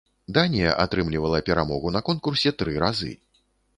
Данія атрымлівала перамогу на конкурсе тры разы.